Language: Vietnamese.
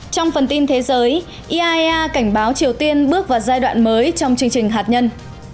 trong phần tin thế giới iaea cảnh báo triều tiên bước vào giai đoạn mới trong chương trình hạt nhân